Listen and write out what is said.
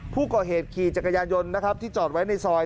ผู้ก่อเหตุขี่จักรยานยนต์นะครับที่จอดไว้ในซอย